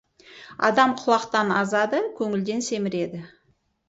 Адам құлақтан азады, көңілден семіреді.